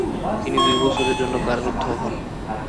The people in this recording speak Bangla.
তিনি দুইবছরের জন্য কারারুদ্ধ হন।